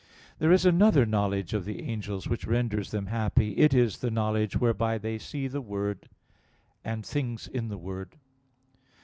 There is another knowledge of the angels, which renders them happy; it is the knowledge whereby they see the Word, and things in the Word.